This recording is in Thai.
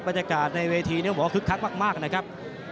บรรยากาศในเวทีมองคลึกคักมากนะครับ